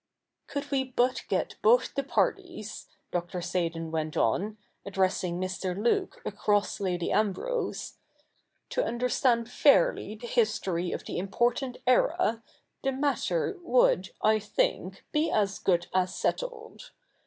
■ Could we but get both the parties,' Dr. Seydon went on, addressing Mr. Luke across Lady Ambrose, ' to under stand fairly the history of the important era, the matter would, I think, be as good as settled.